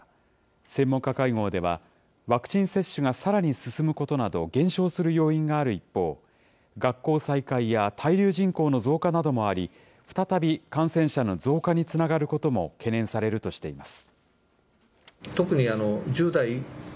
専門家会合では、ワクチン接種がさらに進むことなど、減少する要因がある一方、学校再開や滞留人口の増加などもあり、再び感染者の増加につながることも懸念されるとしています。